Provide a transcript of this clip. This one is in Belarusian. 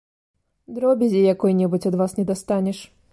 Дробязі якой-небудзь ад вас не дастанеш.